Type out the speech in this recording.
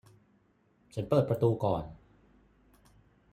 ฉันเปิดประตูก่อน